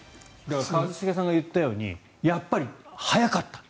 一茂さんが言ったようにやっぱり速かった。